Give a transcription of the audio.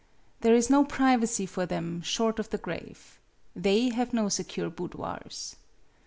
There is no privacy for them short of the grave. They have no secure boudoirs.